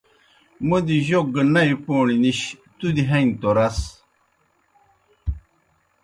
موْدیْ جوک گہ نئی پوݨیْ نِش تُودیْ ہنیْ توْ رَس۔